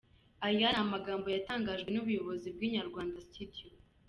Aya ni amagambo yatangajwe n’ubuyobozi bwa Inyarwanda Studios.